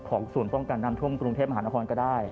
ของสูตรต้องการนำทรงกรุงเทพมหานครก็ได้